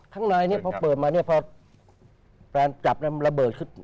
ข้างในนี้พอเปิดมาเนี่ยพอแฟนจับแล้วมันระเบิดขึ้น